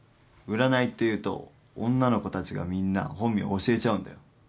占いっていうと女の子たちがみんな本名教えちゃうんだよ。